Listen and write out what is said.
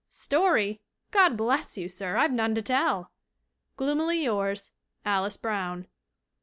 'Story? God bless you, sir, I've none to tell!' "Gloomily yours, "ALICE BROWN."